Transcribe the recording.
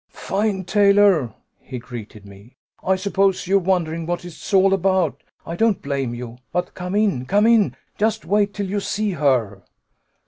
"Fine, Taylor!" he greeted me. "I suppose you're wondering what it's all about. I don't blame you. But come in, come in! Just wait till you see her!"